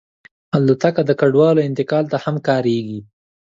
الوتکه د کډوالو انتقال ته هم کارېږي.